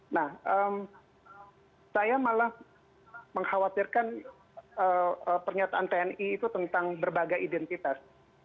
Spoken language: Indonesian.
nah saya malah mengkhawatirkan pernyataan tni itu tentang berbagai identitas